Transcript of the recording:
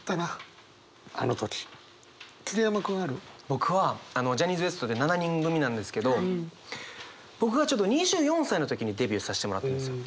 僕はジャニーズＷＥＳＴで７人組なんですけど僕がちょうど２４歳の時にデビューさせてもらってるんですよ。